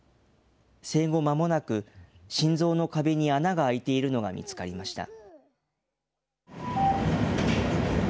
生後まもなく心臓の壁に穴が開いているのが見つかりました。